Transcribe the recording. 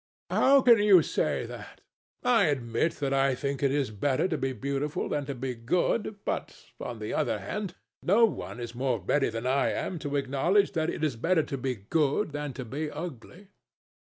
"How can you say that? I admit that I think that it is better to be beautiful than to be good. But on the other hand, no one is more ready than I am to acknowledge that it is better to be good than to be ugly."